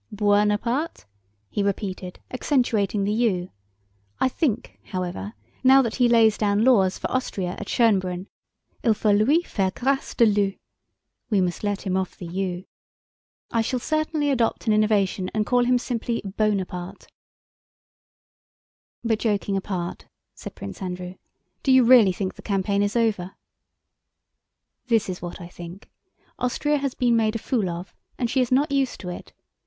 "Buonaparte?" he repeated, accentuating the u: "I think, however, now that he lays down laws for Austria at Schönbrunn, il faut lui faire grâce de l'u! * I shall certainly adopt an innovation and call him simply Bonaparte!" * "We must let him off the u!" "But joking apart," said Prince Andrew, "do you really think the campaign is over?" "This is what I think. Austria has been made a fool of, and she is not used to it.